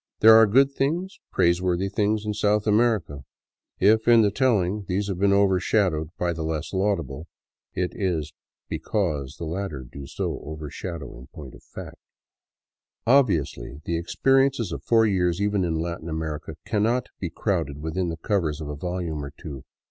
There are good things, praiseworthy things in South America; if, in the telling, these have been over shadowed by the less laudable, it is because the latter do so overshadow in point of fact. Obviously, the experiences of four years, even in Latin America, cannot be crowded within the covers of a volume or two.